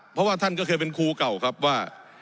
เพราะว่าท่านก็เคยเป็นครูเก่าครับว่า